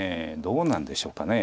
どうなんでしょうか。